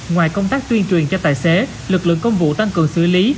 ngoài công tác tuyên truyền cho tài xế lực lượng công vụ tăng cường xử lý